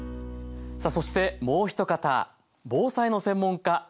さあそしてもう一方防災の専門家